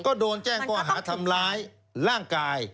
ก็โดนแจ้งก้อหาทำร้ายร่างกาย